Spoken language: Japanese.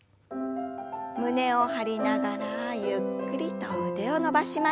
胸を張りながらゆっくりと腕を伸ばしましょう。